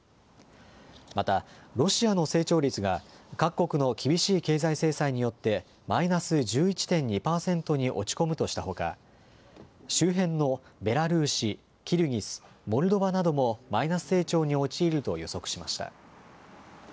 またロシアの成長率が各国の厳しい経済制裁によってマイナス１１．２％に落ち込むとしたほか周辺のベラルーシ、キルギス、モルドバなどもマイナス成長に陥ると予測しました。